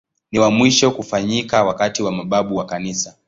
Ni wa mwisho kufanyika wakati wa mababu wa Kanisa.